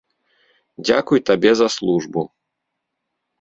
Дзякуй табе за службу!